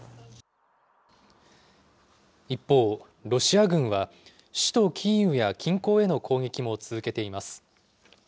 一方、ロシア軍は、首都キーウや近郊への攻撃も続けています。